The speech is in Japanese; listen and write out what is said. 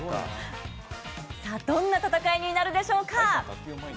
どんな戦いになるでしょうか？